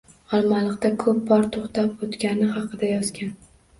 Olmaliqda koʻp bor toʻxtab oʻtgani haqida yozgan